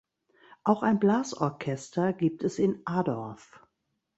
Auch ein Blasorchester gibt es in Adorf.